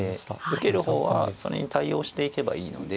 受ける方はそれに対応していけばいいので。